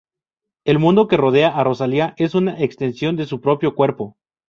El mundo que rodea a Rosalía es una extensión de su propio cuerpo.